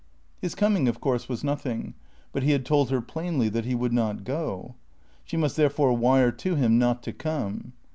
His coming, of course, was nothing, but he had told her plainly that he would not go. She must therefore wire to him not to come.